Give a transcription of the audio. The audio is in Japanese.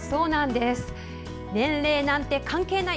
年齢なんて関係ない！